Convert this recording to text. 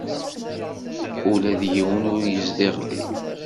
Ula d yiwen ur yezdiɣ din.